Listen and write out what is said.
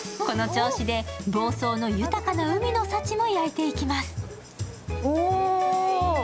この調子で房総の豊かな海の幸も焼いていきます。